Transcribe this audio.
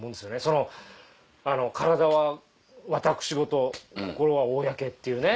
そのあの体は私事心は公っていうね。